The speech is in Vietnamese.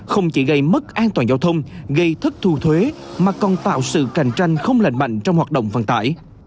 không chỉ gây mất an toàn giao thông gây thất thu thuế mà còn tạo sự cạnh tranh không lành mạnh trong hoạt động vận tải